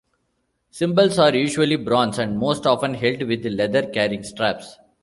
Cymbals are usually bronze and most often held with leather carrying straps.